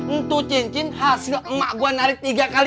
untuk cincin hasil emak gue narik tiga kali